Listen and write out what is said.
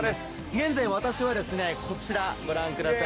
現在私は、こちら、ご覧ください。